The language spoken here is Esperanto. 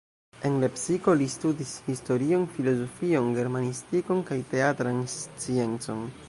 En Lepsiko li studis historion, filozofion, germanistikon kaj teatran sciencon.